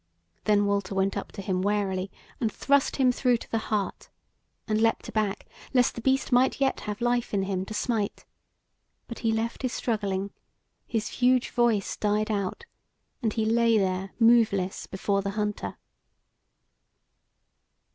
Then Walter went up to him warily and thrust him through to the heart, and leapt aback, lest the beast might yet have life in him to smite; but he left his struggling, his huge voice died out, and he lay there moveless before the hunter.